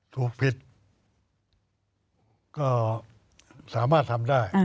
ถูกผิดก็สามารถทำได้